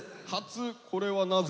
これはなぜ？